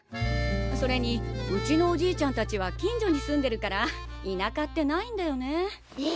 それにうちのおじいちゃんたちは近所に住んでるから田舎ってないんだよねえ。